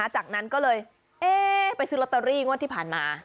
จากนั้นก็เลยเอ๊ะไปซื้อลอตเตอรี่งวดที่ผ่านมา